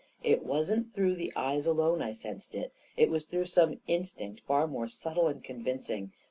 It wasn't through the eyes alone I sensed it — it was through some in stinct far more subtle and convincing.